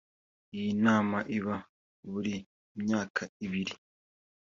Iyi nama iba buri myaka ibiri